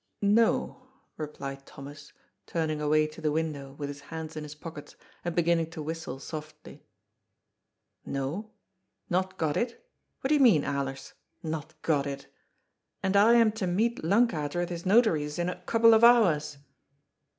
"No," replied Thomas, turning away to the window, with his hands in his pockets, and beginning to whistle softly. "No? Not got it? What do you mean, Alers? Not got it? And I am to meet Lankater at his Notary's in a couple of hours